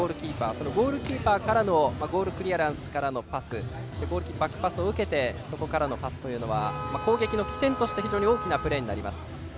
そのゴールキーパーからのゴールクリアランスからのパスそしてバックパスを受けてそこからのパスというのは攻撃の起点として非常に大きなプレーになります。